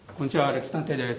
「歴史探偵」です。